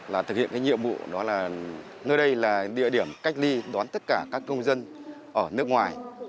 là thực hiện cái nhiệm vụ đó là nơi đây là địa điểm cách ly đón tất cả các công dân ở nước ngoài